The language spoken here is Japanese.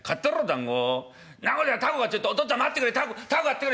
「んなこと凧がちょっとお父っつぁん待ってくれ凧凧買ってくれ。